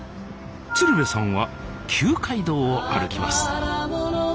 鶴瓶さんは旧街道を歩きます